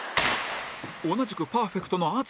同じくパーフェクトの淳